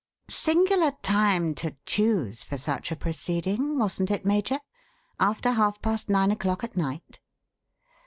"Singular time to choose for such a proceeding, wasn't it, Major? After half past nine o'clock at night."